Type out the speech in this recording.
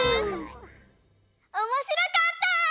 おもしろかった！